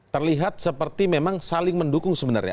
terlihat seperti memang saling mendukung sebenarnya